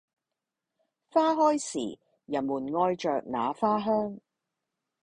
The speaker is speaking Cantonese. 花開時；人們愛著那花香